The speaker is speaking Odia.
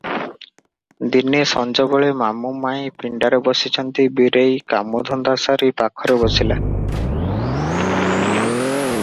ଦିନେ ସଞ୍ଜବେଳେ ମାମୁ ମାଇଁ ପିଣ୍ଡାରେ ବସିଛନ୍ତି, ବୀରେଇ କାମ ଧନ୍ଦା ସାରି ପାଖରେ ବସିଲା ।